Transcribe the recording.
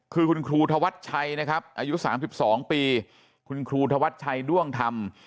คือคุณครูธวัชชัยนะครับอายุ๓๒ปีคุณครูธวัชชัยด้วงธรรม